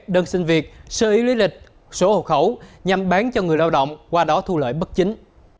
đơn xin việc sơ ý lý lịch sổ hộ khẩu nhằm bán cho người lao động qua đó thu lợi bất chính